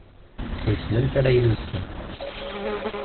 Wissen amek ara yili uzekka?